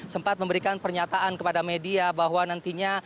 sempat memberikan pernyataan kepada media bahwa nantinya